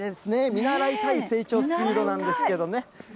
見習いたい成長スピードなんですけどね。